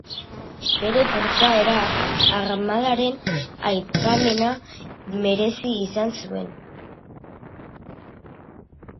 Bere portaerak armadaren aipamena merezi izan zuen.